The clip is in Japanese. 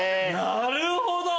なるほど！